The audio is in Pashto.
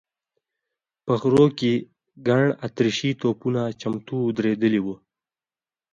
په غرونو کې ګڼ اتریشي توپونه چمتو ودرېدلي و.